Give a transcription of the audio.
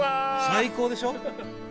最高でしょ？